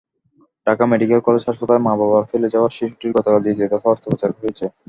Dhaka medical college হাসপাতালে মা-বাবার ফেলে যাওয়া শিশুটির গতকাল দ্বিতীয় দফা অস্ত্রোপচার হয়েছে।